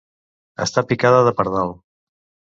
Estar picada de pardal.